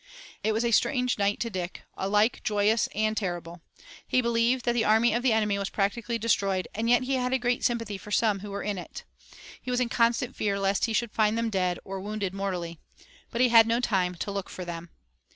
It was a strange night to Dick, alike joyous and terrible. He believed that the army of the enemy was practically destroyed, and yet he had a great sympathy for some who were in it. He was in constant fear lest he should find them dead, or wounded mortally. But he had no time to look for them.